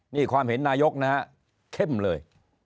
นี่ความเห็นนายกนะฮะเข้มเลย